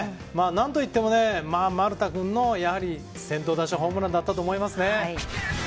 何といっても、丸田君の先頭打者ホームランだったと思います。